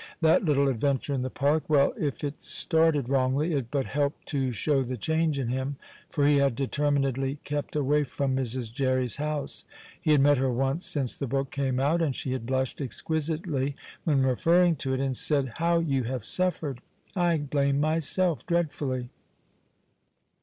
That little adventure in the park; well, if it started wrongly, it but helped to show the change in him, for he had determinedly kept away from Mrs. Jerry's house. He had met her once since the book came out, and she had blushed exquisitely when referring to it, and said: "How you have suffered! I blame myself dreadfully."